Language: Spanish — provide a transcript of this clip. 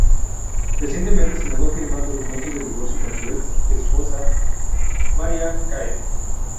Recientemente se negó a firmar documentos de divorcio con su ex esposa Mariah Carey.